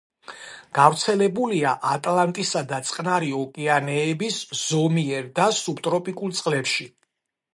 გავრცელებულია ატლანტისა და წყნარი ოკეანეების ზომიერ და სუბტროპიკულ წყლებში.